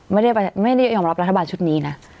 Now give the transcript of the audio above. ไม่ได้ยอมรับรัฐบาลชุดนี้นะ